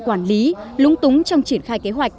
quản lý lúng túng trong triển khai kế hoạch